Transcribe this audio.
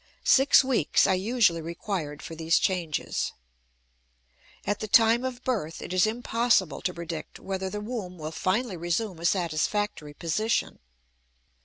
Six weeks are usually required for these changes. At the time of birth it is impossible to predict whether the womb will finally resume a satisfactory position.